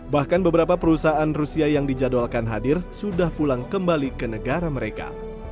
bahkan beberapa perusahaan rusia yang dijadwalkan hadir sudah pulang kembali ke negara mereka